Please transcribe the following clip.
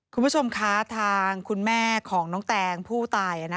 คุณผู้ชมคะทางคุณแม่ของน้องแตงผู้ตาย